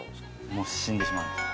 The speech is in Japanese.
もう死んでしまうんです。